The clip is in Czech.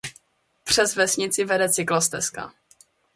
Přes vesnici vede cyklostezka.